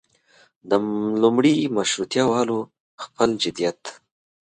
د لومړي مشروطیه والو خپل جديت.